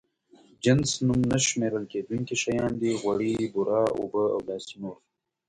جنس نوم نه شمېرل کېدونکي شيان دي: غوړي، بوره، اوبه او داسې نور.